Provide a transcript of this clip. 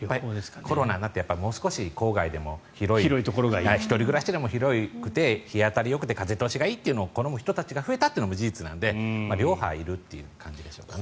コロナになってもう少し郊外でも１人暮らしでも日当たりがよくて風通しがいいというのを好む人たちが増えたというのも事実なので両方いるという感じですかね。